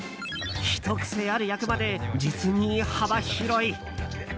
ひと癖ある役まで実に幅広い。